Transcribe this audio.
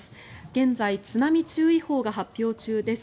現在、津波注意報が発表中です。